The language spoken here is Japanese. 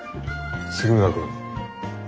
杉村君。